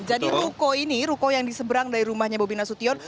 ruko ini ruko yang diseberang dari rumahnya bobi nasution